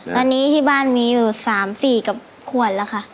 ตอนนี้ที่บ้านมีอยู่๓๔กับขวดแล้วค่ะ